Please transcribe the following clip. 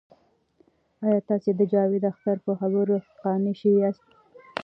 آیا تاسې د جاوید اختر په خبرو قانع شوي یاست؟